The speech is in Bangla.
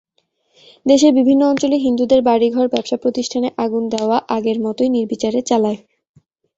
দেশের বিভিন্ন অঞ্চলে হিন্দুদের বাড়িঘর, ব্যবসাপ্রতিষ্ঠানে আগুন দেওয়া আগের মতোই নির্বিচারে চালায়।